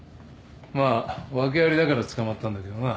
まあ訳ありだからつかまったんだけどな。